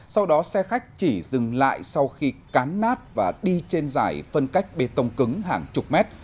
sau đó xe khách chỉ dừng lại sau khi cán nát và đi trên giải phân cách bê tông cứng hàng chục mét